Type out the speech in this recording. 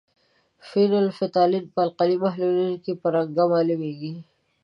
فینول فتالین په القلي محلول کې په رنګ معلومیږي.